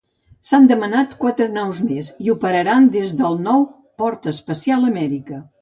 S'han demanat quatre naus més i operaran des del nou Port Espacial Amèrica.